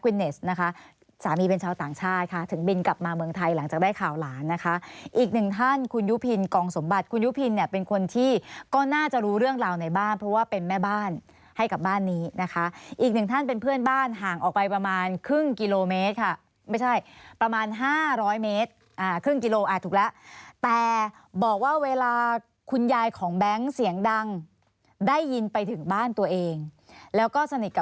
ควินเนสนะคะสามีเป็นชาวต่างชาติค่ะถึงบินกลับมาเมืองไทยหลังจากได้ข่าวหลานนะคะอีกหนึ่งท่านคุณยุพินกองสมบัติคุณยุพินเนี่ยเป็นคนที่ก็น่าจะรู้เรื่องราวในบ้านเพราะว่าเป็นแม่บ้านให้กับบ้านนี้นะคะอีกหนึ่งท่านเป็นเพื่อนบ้านห่างออกไปประมาณครึ่งกิโลเมตรค่ะไม่ใช่ประมาณห้าร้อยเมตรอ่าครึ่งกิ